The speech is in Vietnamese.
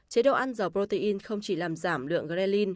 chế độ ăn giàu protein không chỉ làm giảm lượng ghrelin